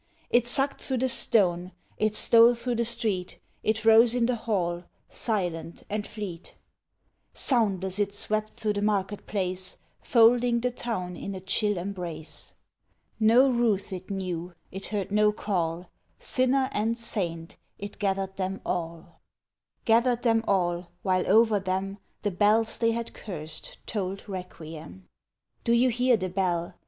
It sucked through the stone, it stole through the street, It rose in the hall, silent and fleet; Soundless it swept through the market place Folding the town in a chill embrace; No ruth it knew, it heard no call, Sinner and saint it gathered them all, Gathered them all, while over them The bells they had cursed tolled requiem. Do you hear the bell?